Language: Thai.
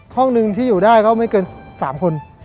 ห้องหนึ่งที่อยู่ได้ก็ไม่เกิน๓คน